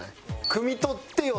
「くみ取ってよ」